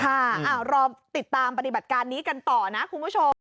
รอติดตามปฏิบัติการนี้กันต่อนะคุณผู้ชม